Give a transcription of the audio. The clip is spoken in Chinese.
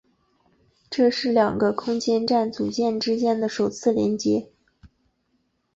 这是两个空间站组件之间的首次连接。